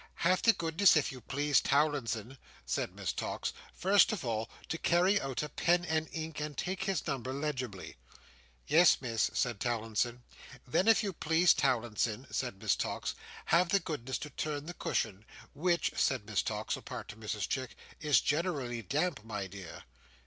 "Have the goodness, if you please, Towlinson," said Miss Tox, "first of all, to carry out a pen and ink and take his number legibly." "Yes, Miss," said Towlinson. "Then, if you please, Towlinson," said Miss Tox, "have the goodness to turn the cushion. Which," said Miss Tox apart to Mrs Chick, "is generally damp, my dear."